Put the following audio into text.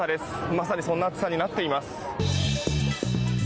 まさにそんな暑さになっています。